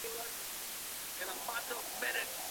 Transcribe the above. د جرګي په ويناوو کي به د حقیقت نښې وي.